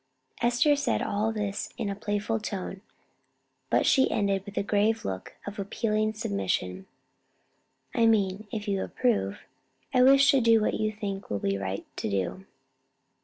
Esther said all this in a playful tone, but she ended, with a grave look of appealing submission "I mean if you approve. I wish to do what you think it will be right to do."